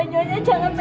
nyonya jangan beres